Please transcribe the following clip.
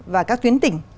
và các tuyến tỉnh